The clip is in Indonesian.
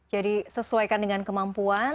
jadi sesuaikan dengan kemampuan